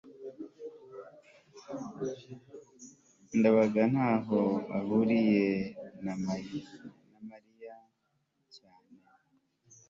ndabaga ntaho ahuriye na mariya cyane